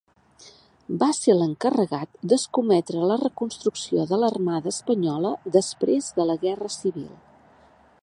Va ser l'encarregat d'escometre la reconstrucció de l'Armada espanyola després de la Guerra Civil.